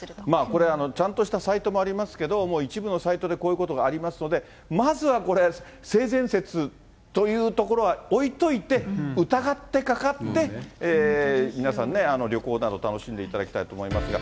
これ、ちゃんとしたサイトもありますけど、一部のサイトでこういうことがありますので、まずはこれ、性善説というところは置いといて、疑ってかかって、皆さんね、旅行など楽しんでいただきたいと思いますが。